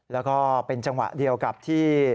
แล้วก็เป็นจังหวะเดียวกับที่